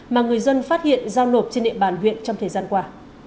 mà người dân phát hiện giao nộp trên địa bàn huyện trong thời gian qua